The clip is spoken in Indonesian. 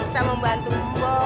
bisa membantu bu